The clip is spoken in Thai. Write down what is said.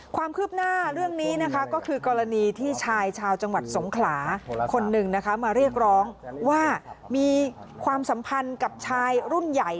ความคืบหน้าเรื่องนี้นะคะก็คือกรณีที่ชายชาวจังหวัดสงขลาคนหนึ่งนะคะมาเรียกร้องว่ามีความสัมพันธ์กับชายรุ่นใหญ่